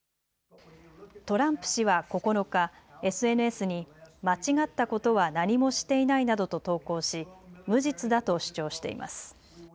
トランプ氏は９日、ＳＮＳに間違ったことは何もしていないなどと投稿し無実だと主張しています。